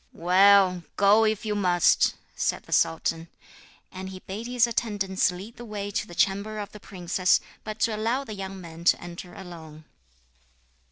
'Well, go if you must,' said the sultan. And he bade his attendants lead the way to the chamber of the princess, but to allow the young man to enter alone.